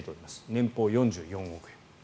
年俸４４億円。